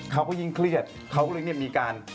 เขาก็ยิ่งเครียดเขาก็เรื่องนี้มีการ